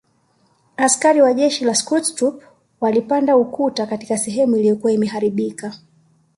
Askari wa jeshi la Schutztruppe walipanda ukuta katika sehemu uliyokuwa imeharibika